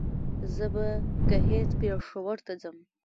زه به ګهيځ پېښور ته ځم